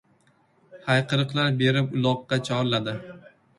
Hayqiriqlar berib, uloqqa chorladi.